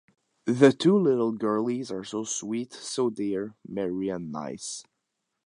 The two little girlies are so sweet, so dear, merry, and nice.